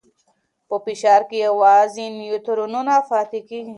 په فشار کې یوازې نیوترونونه پاتې کېږي.